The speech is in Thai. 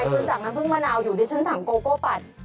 คุณสั่งน้ำพึ่งมะนาวอยู่ดิฉันสั่งโกโก้ปั่น